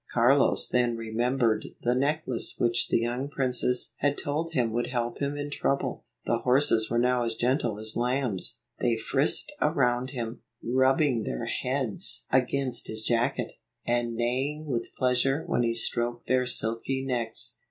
Carlos then remembered the necklace which the young princess had told him would help him in trouble. The horses were now as gentle as lambs. They frisked around him, rubbing their heads 1 53 against his jacket, and neighing with pleasure when he stroked their silky necks.